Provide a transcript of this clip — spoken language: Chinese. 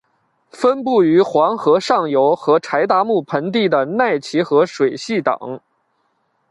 分布于黄河上游和柴达木盆地的奈齐河水系等。